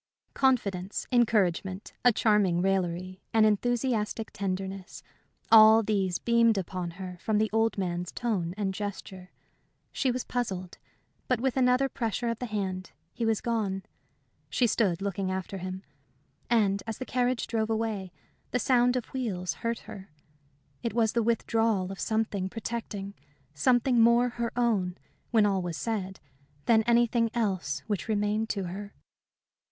Confidence, encouragement, a charming raillery, an enthusiastic tenderness all these beamed upon her from the old man's tone and gesture. She was puzzled. But with another pressure of the hand he was gone. She stood looking after him. And as the carriage drove away, the sound of the wheels hurt her. It was the withdrawal of something protecting something more her own, when all was said, than anything else which remained to her.